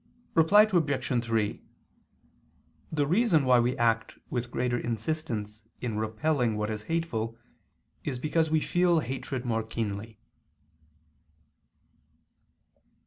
Reply Obj. 3: The reason why we act with greater insistence in repelling what is hateful, is because we feel hatred more keenly.